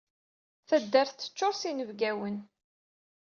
Taddart teččuṛ s yinebgawen.